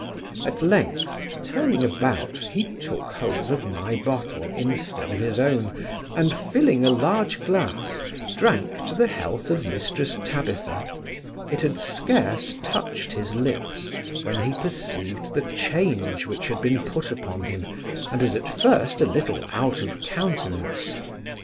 At length, turning about, he took hold of my bottle, instead of his own, and, filling a large glass, drank to the health of Mrs Tabitha. It had scarce touched his lips, when he perceived the change which had been put upon him, and was at first a little out of countenance.